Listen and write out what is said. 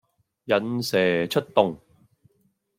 引蛇出洞